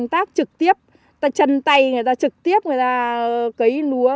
trực tiếp chân tay người ta trực tiếp người ta cấy lúa